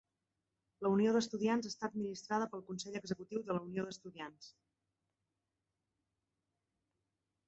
La unió d'estudiants està administrada pel consell executiu de la unió d'estudiants.